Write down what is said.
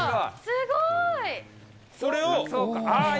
すごい。